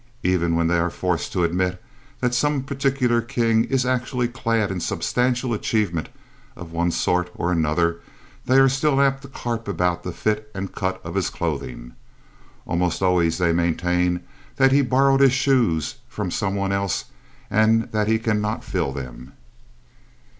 Even when they are forced to admit that some particular king is actually clad in substantial achievement of one sort or another, they are still apt to carp about the fit and cut of his clothing. Almost always they maintain that he borrowed his shoes from some one else and that he cannot fill them.